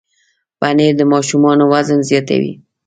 پنېر د ماشومانو وزن زیاتوي.